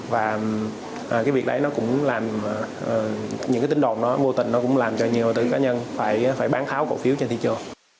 và cái việc đấy cũng làm những tin đồn đó vô tình làm cho nhiều nhà đầu tư cá nhân phải bán tháo cổ phiếu trên thị trường